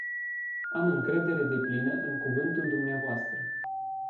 Am încredere deplină în cuvântul dvs.